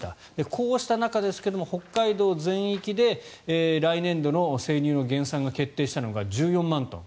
こうした中ですが北海道全域で来年度の生乳の減産が決定したのが１４万トン。